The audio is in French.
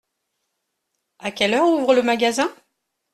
À quelle heure ouvre le magasin ?